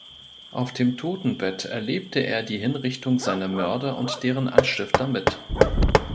Auf dem Totenbett erlebte er die Hinrichtung seiner Mörder und deren Anstifter mit.